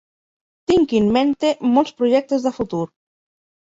Tinc 'in mente' molts projectes de futur.